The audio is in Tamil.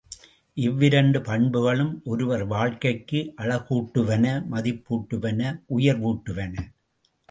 இவ்விரண்டு பண்புகளும் ஒருவர் வாழ்க்கைக்கு அழகூட்டுவன மதிப்பூட்டுவன உயர்வூட்டுவன.